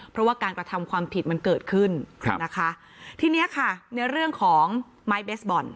เพราะว่าการกระทำความผิดมันเกิดขึ้นครับนะคะทีเนี้ยค่ะในเรื่องของไม้เบสบอล